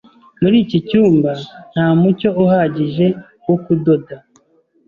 Muri iki cyumba nta mucyo uhagije wo kudoda.